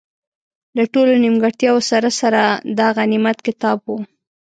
له ټولو نیمګړتیاوو سره سره، دا غنیمت کتاب وو.